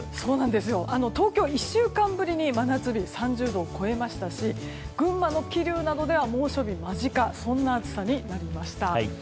東京は１週間ぶりに真夏日３０度を超えましたし群馬の桐生などでは猛暑日間近そんな暑さになりました。